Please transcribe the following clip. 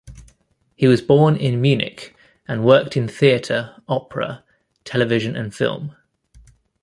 He was born in Munich and worked in theatre, opera, television and film.